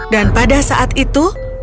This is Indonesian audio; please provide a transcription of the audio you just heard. dan pada saat itu